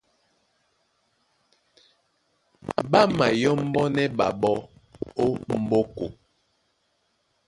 Ɓá mayɔ́mbɔ́nɛ́ ɓaɓɔ́ ó m̀ɓóko.